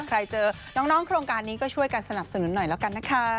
ใครเจอน้องโครงการนี้ก็ช่วยกันสนับสนุนหน่อยแล้วกันนะคะ